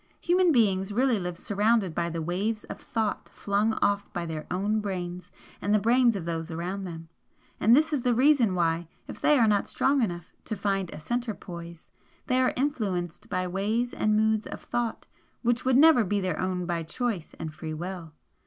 Human beings really live surrounded by the waves of thought flung off by their own brains and the brains of those around them, and this is the reason why, if they are not strong enough to find a centre poise, they are influenced by ways and moods of thought which would never be their own by choice and free will.